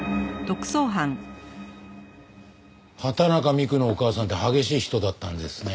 畑中美玖のお母さんって激しい人だったんですね。